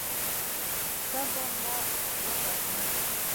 ته به ما وبښې.